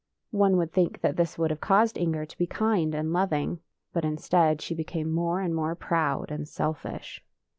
One would think that this would have caused Inger to be kind and loving, but in stead she became more and more proud and selfish.